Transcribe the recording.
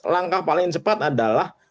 langkah paling cepat adalah